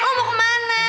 lo mau kemana